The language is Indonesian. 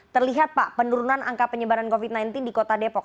terlihat pak penurunan angka penyebaran covid sembilan belas di kota depok